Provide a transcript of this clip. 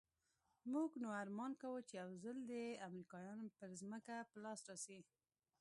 موږ نو ارمان کاوه چې يو ځل دې امريکايان پر ځمکه په لاس راسي.